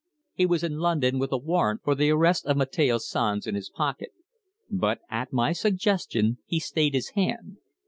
He was in London with a warrant for the arrest of Mateo Sanz in his pocket. But at my suggestion he stayed his hand.